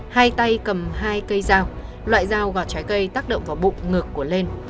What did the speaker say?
hai tay cầm hai cây dao loại dao gọt trái cây tác động vào bụng ngực của lên